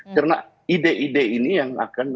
karena ide ide ini yang akan